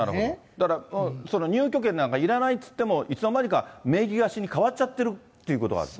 だから、入居権なんかいらないって言っても、いつの間にか名義貸しに変わっちゃってるってことがあると。